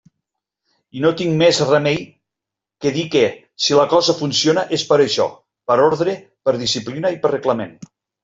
I no tinc més remei que dir que, si la cosa funciona, és per això, per ordre, per disciplina i per reglament.